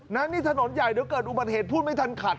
นั่นนี่ถนนใหญ่เดี๋ยวเกิดอุบัติเหตุพูดไม่ทันขัด